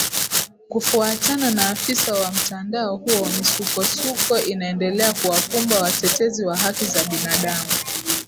Kufuatana na afisa wa mtandao huo misukosuko inaendelea kuwakumba watetezi wa haki za binadamu